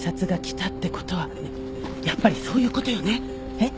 えっ？